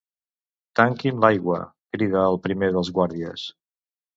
Tanquin l'aigua! —crida el primer dels guàrdies.